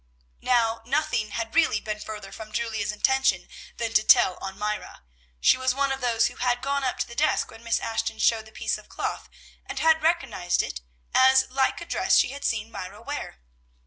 Now, nothing had really been farther from Julia's intention than to tell on Myra. She was one of those who had gone up to the desk when Miss Ashton showed the piece of cloth, and had recognized it as like a dress she had seen Myra wear.